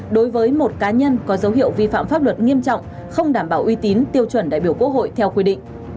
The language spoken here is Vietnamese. đối với một cá nhân có dấu hiệu vi phạm pháp luật nghiêm trọng không đảm bảo uy tín tiêu chuẩn đại biểu quốc hội theo quy định